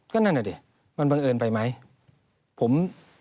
ก็นั่นน่ะดิมันบังเอิญไปไหม